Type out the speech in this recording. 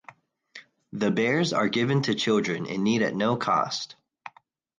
The bears are given to children in need at no cost.